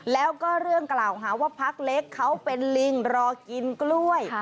แล้วก็เรื่องกล่าวหาว่าพักเล็กเขาเป็นลิงรอกินกล้วย